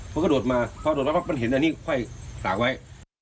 ผมก็โดดมาพอโดดมาพอมันเห็นอันนี้ไหว้สระไว้